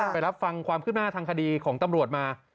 รับฟังความขึ้นหน้าทางคดีของตำรวจมา